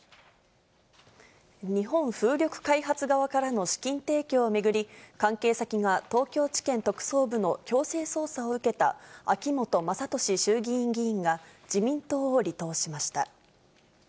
日本風力開発側からの資金提供を巡り、関係先が東京地検特捜部の強制捜査を受けた秋本真利衆議院議員が、自民党を離党しました。